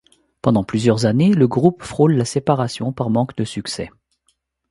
Pendant plusieurs années, le groupe frôle la séparation par manque de succès.